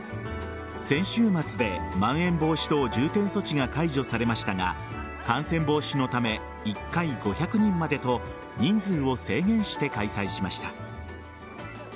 先週末でまん延防止等重点措置が解除されましたが感染防止のため１回５００人までと人数を制限して開催しました。